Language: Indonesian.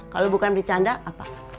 kalau bukan bercanda apa